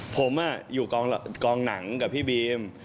ผมอยู่กองหนังกับพี่บีม